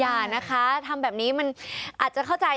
อย่านะคะทำแบบนี้มันอาจจะเข้าใจ